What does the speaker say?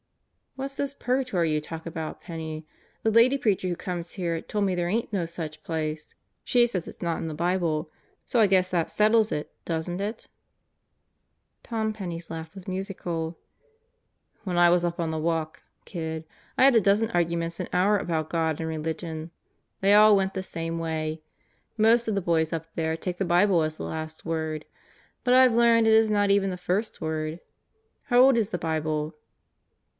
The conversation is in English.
"What's this Purgatory you talk about, Penney? The lady preacher who comes here told me there ain't no such place. She says it's not in the Bible. So, I guess that settles it, doesn't it?" Tom Penney's laugh was musical. "When I was up on 'the Satan in the Cell Block 81 walk/ kid, I had a dozen arguments an hour about God and religion. They all went the same way. Most of the boys up there take the Bible as the last word But I've learned it is not even the first word. How old is the Bible?"